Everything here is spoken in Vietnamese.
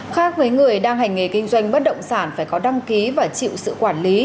khác với người đang hành nghề kinh doanh bất động sản phải có đăng ký và chịu sự quản lý